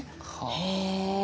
へえ。